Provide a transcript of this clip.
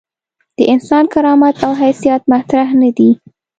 د انسان کرامت او حیثیت مطرح نه دي.